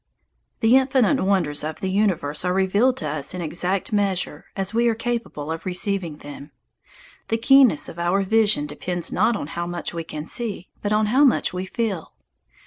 The infinite wonders of the universe are revealed to us in exact measure as we are capable of receiving them. The keenness of our vision depends not on how much we can see, but on how much we feel.